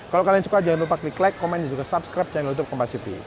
kalau kalian suka jangan lupa klik like comment dan juga subscribe channel youtube tempat cv